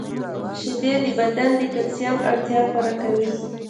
• شیدې د بدن د کلسیم اړتیا پوره کوي.